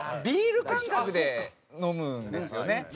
ビール感覚で飲むんですよね。